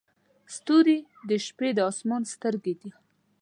ستوري د شپې د اسمان سترګې دي.